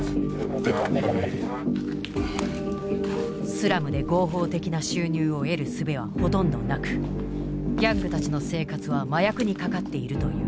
スラムで合法的な収入を得るすべはほとんどなくギャングたちの生活は麻薬にかかっているという。